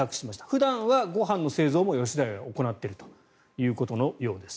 普段はご飯の製造も吉田屋が行っていることのようです。